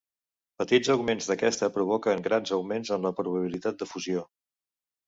Petits augments d'aquesta provoquen grans augments en la probabilitat de fusió.